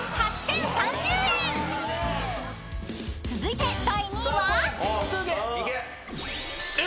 ［続いて第２位は？］